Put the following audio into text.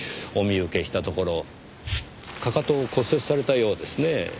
お見受けしたところ踵を骨折されたようですねぇ。